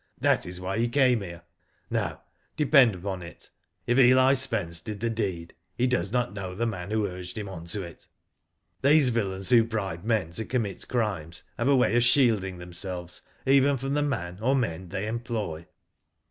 That is why he came here. No, depend upon it, if Eli Spence did the deed he does not know the man who urged him on to^ it. These villains who bribe men to commit crimes have a way of shielding themselves even from the man or men they employ."